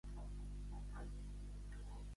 Es commemora a Clamp en el memorial de Tyne Cot.